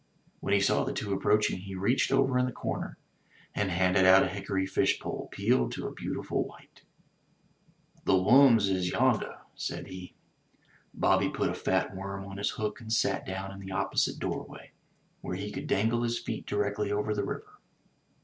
When he saw the two approaching, he reached over in the cor ner and handed out a hickory fish pole peeled to a beautiful white. 137 MY BOOK HOUSE "The wums is yonder," said he. Bobby put a fat worm on his hook and sat down in the opposite doorway where he could dangle his feet directly over the river.